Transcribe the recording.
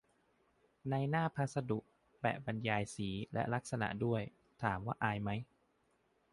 ในหน้าพัสดุแปะบรรยายสี และ ลักษณะด้วย ถามว่าอายไหม !